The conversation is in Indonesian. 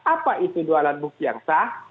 apa itu dua landmark yang sah